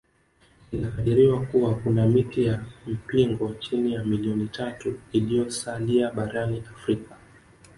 Inakadiriwa kuwa kuna miti ya mpingo chini ya milioni tatu iliyosalia barani Afrika